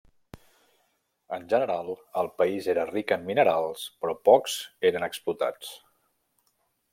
En general el país era ric en minerals però pocs eren explotats.